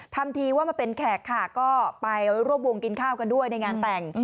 ทำทีว่ามาเป็นแขกค่ะก็ไปร่วมวงกินข้าวกันด้วยในงานแต่ง